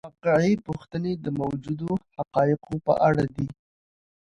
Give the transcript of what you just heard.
واقعي پوښتنې د موجودو حقایقو په اړه دي.